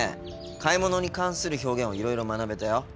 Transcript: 買い物に関する表現をいろいろ学べたよ。